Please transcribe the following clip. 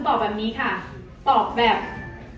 อ๋อแต่มีอีกอย่างนึงค่ะ